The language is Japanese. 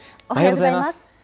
おはようございます。